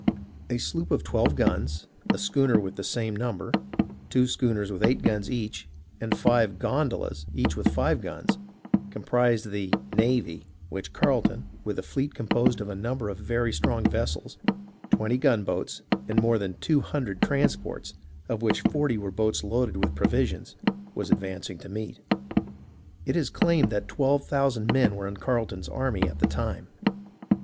A sloop with twelve guns, a schooner with the same number, two schooners with eight guns each, and five "gondolas," each with five guns, comprised the "navy," which Carleton, with a fleet composed of a number of very strong vessels, twenty gunboats, and more than two hun dred transports, of which forty were boats loaded with pro visions, was advancing to meet. It is claimed that twelve thousand men were in Carleton's army at the time.